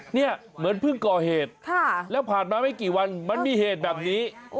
เนี่ยเหมือนเพิ่งก่อเหตุแล้วผ่านมาไม่กี่วันมันมีเหตุแบบนี้